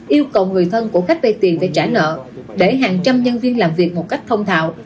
yêu cầu người thân của khách vay tiền phải trả nợ để hàng trăm nhân viên làm việc một cách thông thạo